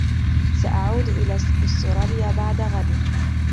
سأعود إلى أستراليا بعد غد.